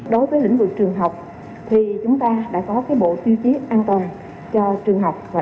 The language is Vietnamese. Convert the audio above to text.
đối với lĩnh vực trường học thì chúng ta đã có bộ tiêu chí an toàn cho trường học và